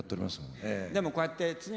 でもこうやって常にさ